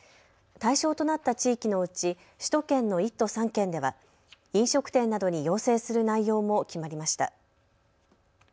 対象となった地域のうち首都圏の１都３県では飲食店などに要請する内容も決まりました。